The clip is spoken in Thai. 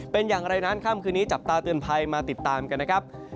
เป็นอย่างไรนั้นค่ำคืนนี้จับตาเตือนภัยมาติดตามกันนะครับ